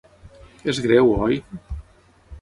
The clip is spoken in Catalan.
És greu, oi?